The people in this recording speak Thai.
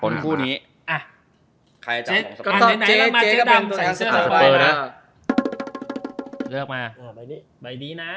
ในเมื่อเจ๊ดำใส่เสื้อข้างไปนะ